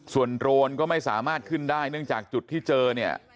ส่วนโรนก็ไม่สามารถขึ้นได้เนื่องจากจุดที่เจอเนี่ย